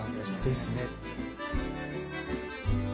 ですね。